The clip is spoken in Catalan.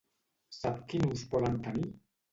Sap quin ús poden tenir?